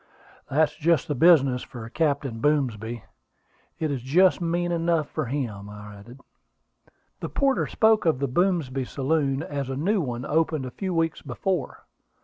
"That's just the business for Captain Boomsby: it is just mean enough for him," I added. "The porter spoke of the Boomsby saloon as a new one opened a few weeks before.